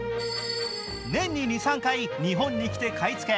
年に２３回日本に来て買い付け